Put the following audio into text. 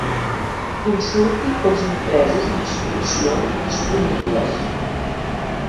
Consulti els impresos d'inscripció disponibles.